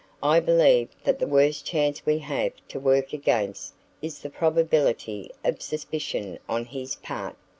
"I believe that the worst chance we have to work against is the probability of suspicion on his part.